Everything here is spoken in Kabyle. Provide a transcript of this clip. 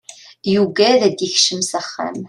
Yuggad ad d-ikcem s axxam.